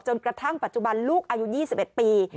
กระทั่งปัจจุบันลูกอายุ๒๑ปี